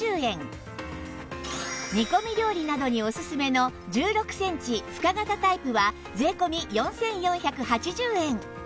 煮込み料理などにオススメの１６センチ深型タイプは税込４４８０円